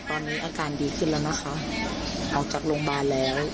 ออกจากโรงพยาบาลแล้ว